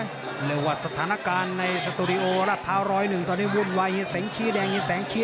ในวัดสถานการณ์ในสตูดิโอรัดพร้าว๑๐๑ตอนนี้วุ่นวายเห็นแสงขี้แดงเห็นแสงขี้